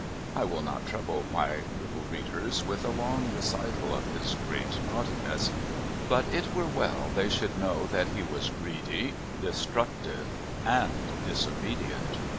I will not trouble my little readers with a long recital of his great naughtiness. But it were well they should know that he was greedy, destructive, and disobedient.